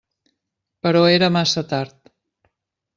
Però era massa tard.